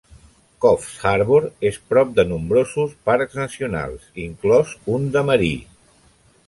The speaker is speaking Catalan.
Coffs Harbour es prop de nombrosos parcs nacionals, inclòs un de marí.